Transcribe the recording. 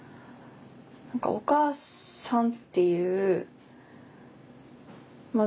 何か「お母さん」っていうまあ